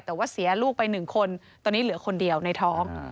แต่ว่าเสียลูกไป๑คนตอนนี้เหลือคนเดียวในท้อง